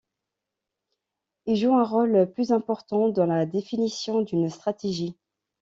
Ils jouent un rôle plus important dans la définition d’une stratégie.